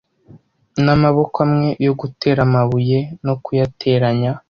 n'amaboko amwe yo gutera amabuye no kuyateranya,